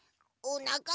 おなか？